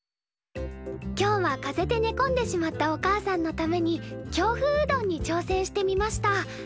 今日は風邪でねこんでしまったおかあさんのために京風うどんに挑戦してみました。